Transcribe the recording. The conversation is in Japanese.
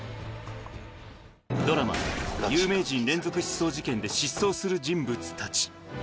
ドラマ、有名人連続失踪事件で失踪する人物たち。